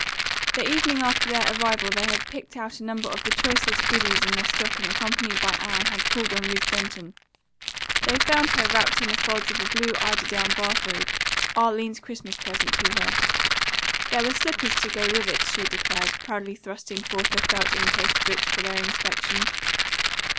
The evening after their arrival they had picked out a number of the choicest goodies in their stock and accompanied by Anne had called on Ruth Denton. They found her wrapped in the folds of a blue eiderdown bathrobe, Arline's Christmas present to her. There were slippers to go with it, she declared, proudly thrusting forth a felt incased foot for their inspection.